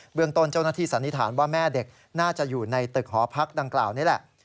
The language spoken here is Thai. เมืองต้นเจ้าหน้าที่สันนิษฐานว่าแม่เด็กน่าจะอยู่ในตึกหอพักดังกล่าวนี่แหละ